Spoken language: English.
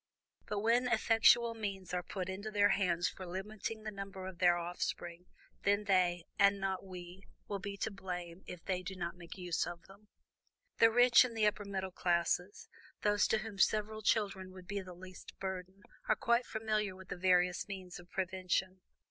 But when effectual means are put into their hands for limiting the number of their offspring, then they, and not we, will be to blame if they do not make use of them. "The rich and the upper middle classes, those to whom several children would be the least burden, are quite familiar with the various means of prevention.